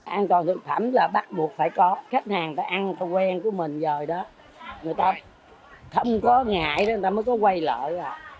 an toàn thực phẩm là bắt buộc phải có khách hàng phải ăn theo quen của mình rồi đó người ta không có ngại người ta mới có quay lại